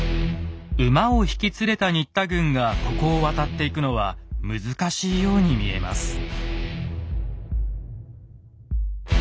馬を引き連れた新田軍がここを渡っていくのは難しいように見えます。